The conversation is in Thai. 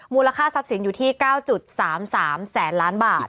ค่าทรัพย์สินอยู่ที่๙๓๓แสนล้านบาท